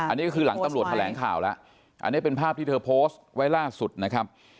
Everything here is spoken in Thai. อันนี้ก็คือหลังตำรวจแถลงข่าวแล้วอันนี้เป็นภาพที่เธอโพสต์ไว้ล่าสุดนะครับ